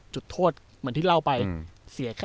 จุดโทษเหมือนที่เล่าไป